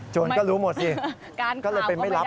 ก็รู้หมดสิก็เลยเป็นไม่รับ